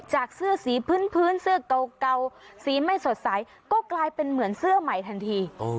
เสื้อสีพื้นเสื้อเก่าสีไม่สดใสก็กลายเป็นเหมือนเสื้อใหม่ทันที